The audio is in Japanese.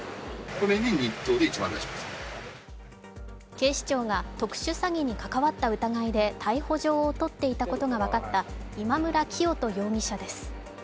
警視庁が特殊詐欺に関わった疑いで逮捕状を取っていたことが分かった今村磨人容疑者です。